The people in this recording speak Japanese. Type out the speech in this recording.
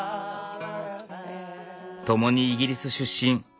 ともにイギリス出身。